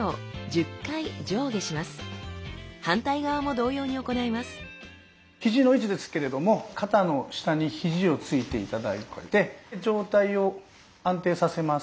続いてはひじの位置ですけれども肩の下にひじをついて頂いて上体を安定させます。